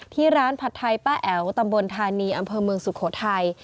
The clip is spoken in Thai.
ที่ร้านผัดไทยป้าแอ๋วตำบลธานีอำเภอเมืองสุโขทัย